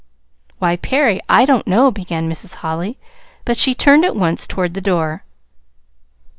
"Why, Perry, I don't know " began Mrs. Holly. But she turned at once toward the door.